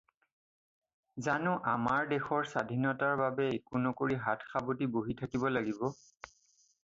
জানো আমাৰ দেশৰ স্বাধীনতাৰ বাবে একো নকৰি হাত সাৱটি বহি থাকিব লাগিব?